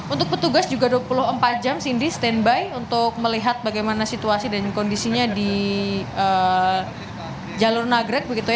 untuk petugas juga dua puluh empat jam cindy standby untuk melihat bagaimana situasi dan kondisinya di jalur nagrek begitu ya